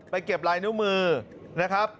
เก็บลายนิ้วมือนะครับ